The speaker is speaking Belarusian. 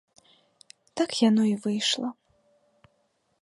Так яно й выйшла.